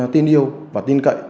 tin yêu và tin cậy